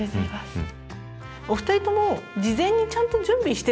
うん。